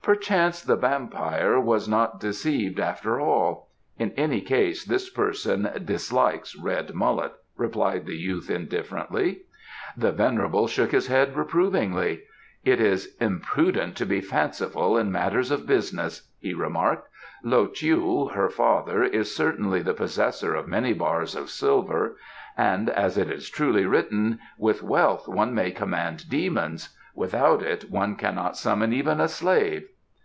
"Perchance the vampire was not deceived after all. In any case this person dislikes red mullet," replied the youth indifferently. The venerable shook his head reprovingly. "It is imprudent to be fanciful in matters of business," he remarked. "Lo Chiu, her father, is certainly the possessor of many bars of silver, and, as it is truly written: 'With wealth one may command demons; without it one cannot summon even a slave.